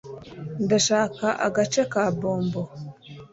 ndashaka agace ka bombo